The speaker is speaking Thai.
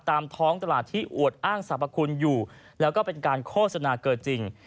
ตามท้องตลาดที่อวดอ้างสรรพคุณอยู่แล้วก็เป็นการโฆษณาเกินจริง